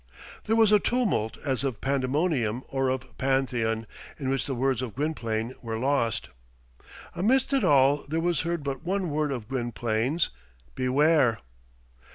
There was a tumult as of pandemonium or of pantheon, in which the words of Gwynplaine were lost. Amidst it all, there was heard but one word of Gwynplaine's: "Beware!"